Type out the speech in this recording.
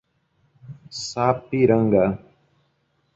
Sapiranga